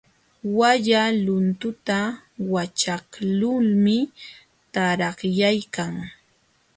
Walla luntunta waćhaqlulmi tarakyaykan.